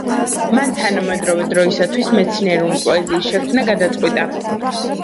მან თანამედროვე დროისთვის მეცნიერული პოეზიის შექმნა გადაწყვიტა.